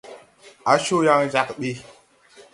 Á coo yaŋ jag ɓi.